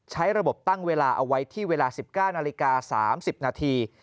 ใช้ระบบตั้งเวลาเอาไว้ที่เวลา๑๙นาฬิกา๓๐นาที